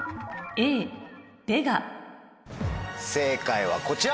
正解はこちら。